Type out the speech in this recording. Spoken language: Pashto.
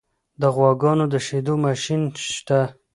د غواګانو د شیدو ماشین شته؟